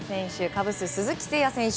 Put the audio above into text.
カブス、鈴木誠也選手